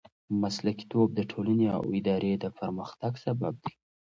مسلکیتوب د ټولنې او ادارې د پرمختګ سبب دی.